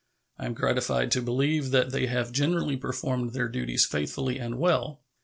I am gratified to believe that they have generally performed their duties faithfully and well.